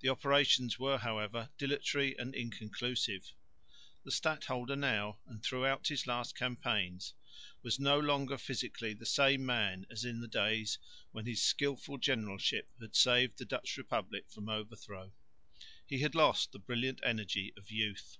The operations were, however, dilatory and inconclusive. The stadholder now, and throughout his last campaigns, was no longer physically the same man as in the days when his skilful generalship had saved the Dutch republic from overthrow; he had lost the brilliant energy of youth.